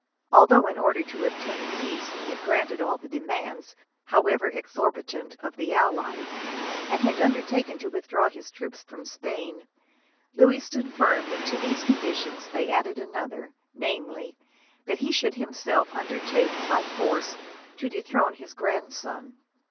Although, in order to obtain peace, he had granted all the demands, however exorbitant, of the allies, and had undertaken to withdraw his troops from Spain, Louis stood firm when to these conditions they added another, namely, that he should himself undertake, by force, to dethrone his grandson.